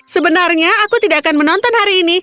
sebenarnya aku tidak akan menonton hari ini